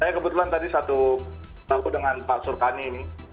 saya kebetulan tadi satu aku dengan pak surkani ini